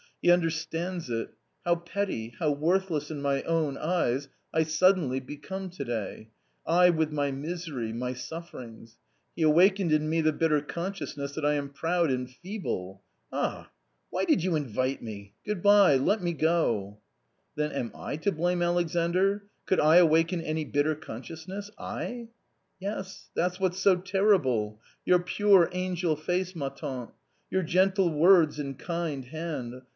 He understands it. How petty, how worthless in my own eyes I suddenly become to day, I with my misery, my sufferings !.... He awakened in me the bitter consciousness that I am proud and feeble. Ah ! why did you invite me ? Good bye ; let me go." " Then am I to blame, Alexandr ? Could I awaken any bitter consciousness — I ?"" Yes, that's what's so terrible ! Your pure angel face, ma tante, your gentle words and kind hand